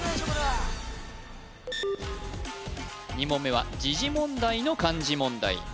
これは２問目は時事問題の漢字問題